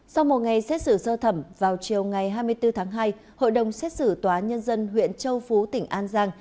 sau một ngày xét xử sơ thẩm vào chiều ngày hai mươi bốn tháng hai hội đồng xét xử tòa nhân dân huyện châu phú tỉnh an giang